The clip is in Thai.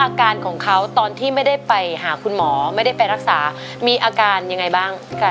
อาการของเขาตอนที่ไม่ได้ไปหาคุณหมอไม่ได้ไปรักษามีอาการยังไงบ้างค่ะ